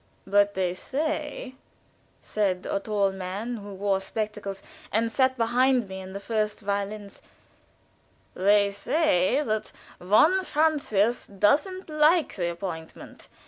"But they say," said a tall man who wore spectacles and sat behind me in the first violins "they say that von Francius doesn't like the appointment.